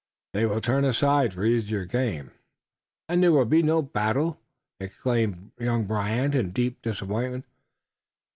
They will turn aside for easier game." "And there will be no battle!" exclaimed young Brant, in deep disappointment.